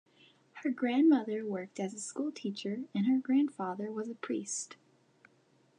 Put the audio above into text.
Her grandmother worked as a schoolteacher and her grandfather was a priest.